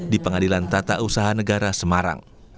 di pengadilan tata usaha negara semarang